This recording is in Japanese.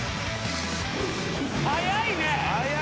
速いね！